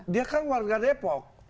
dia kan warga depok